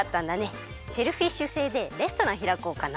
シェルフィッシュ星でレストランひらこうかな。